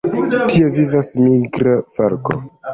Tie vivas migra falko.